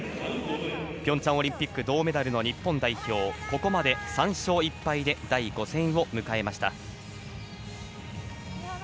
ピョンチャンオリンピック銅メダルの日本代表はここまで３勝１敗で第５戦を迎えました。